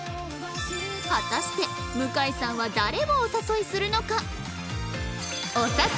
果たして向さんは誰をお誘いするのか？